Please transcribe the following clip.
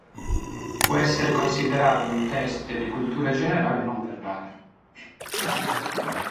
Può essere considerato un test di cultura generale non verbale.